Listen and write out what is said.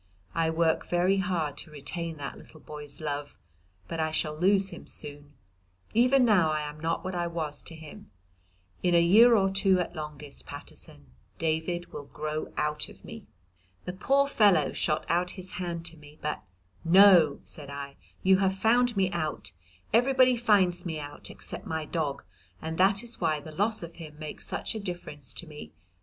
I work very hard to retain that little boy's love; but I shall lose him soon; even now I am not what I was to him; in a year or two at longest, Paterson, David will grow out of me." The poor fellow shot out his hand to me, but "No," said I, "you have found me out. Everybody finds me out except my dog, and that is why the loss of him makes such a difference to me.